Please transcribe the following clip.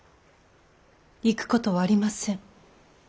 行くことはありません。